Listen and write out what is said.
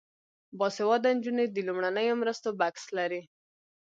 باسواده نجونې د لومړنیو مرستو بکس لري.